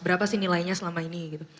berapa sih nilainya selama ini gitu